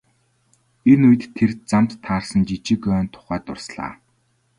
Энэ үед тэр замд таарсан жижиг ойн тухай дурслаа.